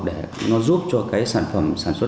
để nó giúp cho cái sản phẩm sản xuất